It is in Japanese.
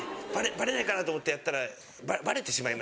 バレないかなと思ってやったらバレてしまいまして。